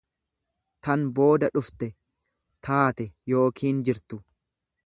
tan booda dhufte, taate yookiin jirtu.